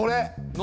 何？